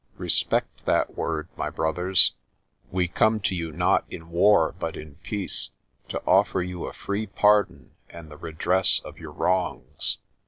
Respect that word, my brothers. We come to you not in war but in peace, to offer you a free pardon and the redress of your wrongs.